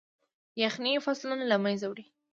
يخني فصلونه له منځه وړي.